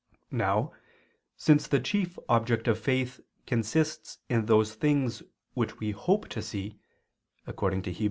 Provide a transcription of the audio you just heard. Now, since the chief object of faith consists in those things which we hope to see, according to Heb.